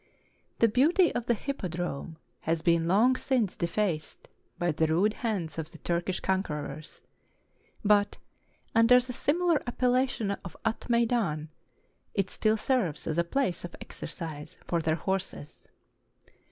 The beauty of the Hippodrome has been long since defaced by the rude hands of the Turk ish conquerors ; but, under the similar appellation of At meidan, it still serves as a place of exercise for their horses.